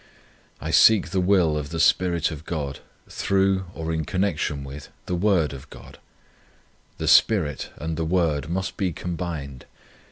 I seek the Will of the Spirit of God through, or in connection with, the Word of God. The Spirit and the Word must be combined.